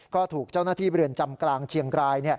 ก็ถูกเจ้าหน้าที่เรือนจำกลางเชียงราย